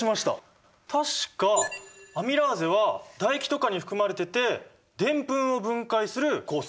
確かアミラーゼは唾液とかに含まれててデンプンを分解する酵素。